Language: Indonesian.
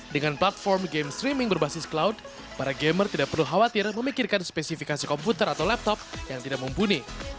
dengan platform game streaming berbasis cloud para gamer tidak perlu khawatir memikirkan spesifikasi komputer atau laptop yang tidak mumpuni